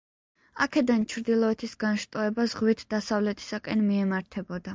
აქედან ჩრდილოეთის განშტოება ზღვით დასავლეთისაკენ მიემართებოდა.